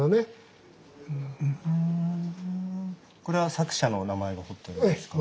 これは作者のお名前が彫ってあるんですか？